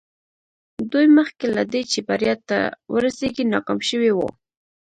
دوی مخکې له دې چې بريا ته ورسېږي ناکام شوي وو.